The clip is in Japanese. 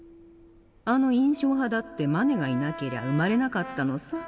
あの印象派だってマネがいなけりゃ生まれなかったのさ。